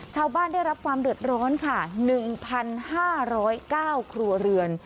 ชาวบ้านได้รับความเรือดร้อนค่ะหนึ่งพันห้าร้อยเก้าครัวเรือน